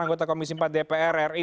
anggota komisi empat dpr ri